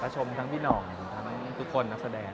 ชมทั้งพี่หน่องทั้งทุกคนนักแสดง